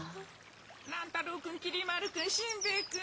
乱太郎君きり丸君しんべヱ君。